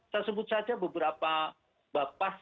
saya sebut saja beberapa bapak